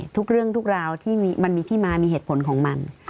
ทุกเรื่องทุกราวที่มันมีที่มามีเหตุผลของมัน